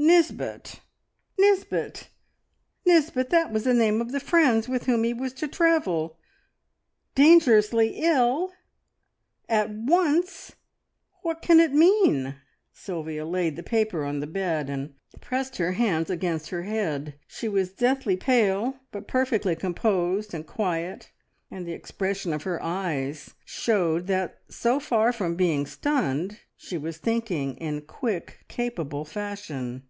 Nisbet." "Nisbet! Nisbet! That was the name of the friends with whom he was to travel. `Dangerously ill!' `At once!' What can it mean?" Sylvia laid the paper on the bed and pressed her hands against her head. She was deathly pale, but perfectly composed and quiet, and the expression of her eyes showed that so far from being stunned, she was thinking in quick, capable fashion.